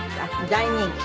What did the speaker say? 大人気。